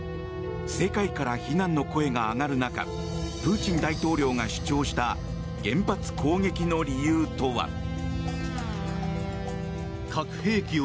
世界から非難の声が上がる中プーチン大統領が主張した原発攻撃の理由とは。